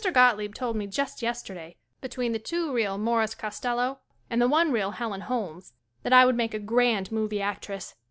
Gotlieb told me just yesterday be tween the two reel Maurice Costello and the one reel Helen Holmes that I would make a grand movie actress.